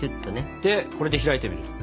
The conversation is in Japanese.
でこれで開いてみる。